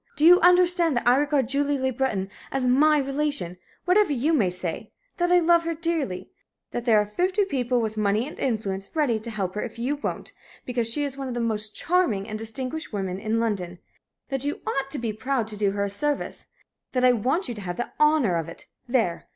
Do you understand that I regard Julie Le Breton as my relation, whatever you may say that I love her dearly that there are fifty people with money and influence ready to help her if you won't, because she is one of the most charming and distinguished women in London that you ought to be proud to do her a service that I want you to have the honor of it there!